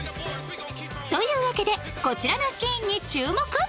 というわけでこちらのシーンに注目